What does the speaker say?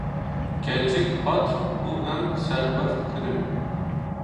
Keçik hat û em serwext kirin.